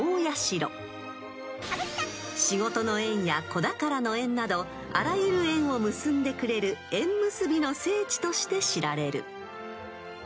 ［仕事の縁や子宝の縁などあらゆる縁を結んでくれる縁結びの聖地として知られる］